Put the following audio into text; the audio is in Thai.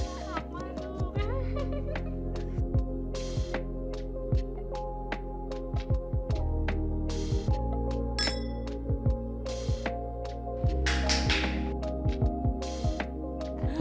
สวัสดีค่ะ